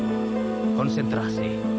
pejamkan matamu konsentrasi